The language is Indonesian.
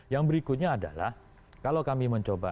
yang berikutnya adalah kalau kami mencoba